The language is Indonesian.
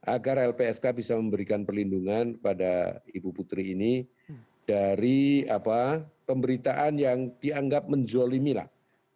agar lpsk bisa memberikan perlindungan pada ibu putri ini dari pemberitaan yang dianggap menzolimi lah